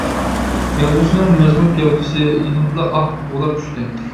يازغۇچىنىڭ مەزمۇت گەۋدىسى، يېنىمدىلا ئاھ. غۇلاپ چۈشتى.